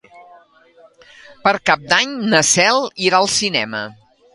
Per Cap d'Any na Cel irà al cinema.